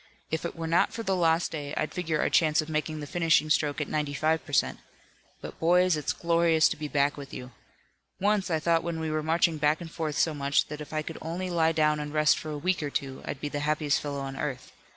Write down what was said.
If it were not for the lost day I'd figure our chance of making the finishing stroke at ninety five per cent. But boys, it's glorious to be back with you. Once, I thought when we were marching back and forth so much that if I could only lie down and rest for a week or two I'd be the happiest fellow on earth.